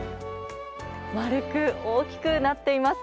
丸く大きくなっています。